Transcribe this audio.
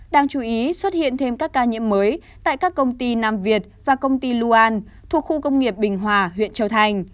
đáng chú ý xuất hiện thêm các ca nhiễm mới tại các công ty nam việt và công ty luan thuộc khu công nghiệp bình hòa huyện châu thành